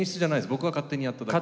僕が勝手にやっただけで。